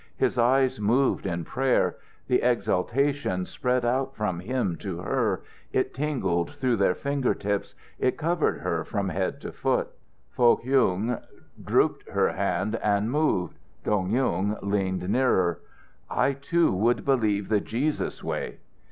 His eyes moved in prayer. The exaltation spread out from him to her, it tingled through their finger tips, it covered her from head to foot. Foh Kyung drooped her hand and moved. Dong Yung leaned nearer. "I, too, would believe the Jesus way."